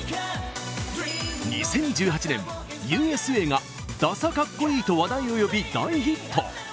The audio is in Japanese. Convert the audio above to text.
２０１８年「Ｕ．Ｓ．Ａ．」が「ダサかっこいい」と話題を呼び大ヒット！